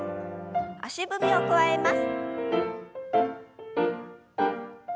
足踏みを加えます。